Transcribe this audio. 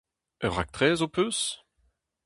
Ur raktres ho peus ?